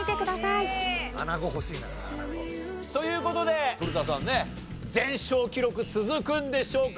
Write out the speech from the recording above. あなご欲しいなあなご。という事で古田さんね全勝記録続くんでしょうか？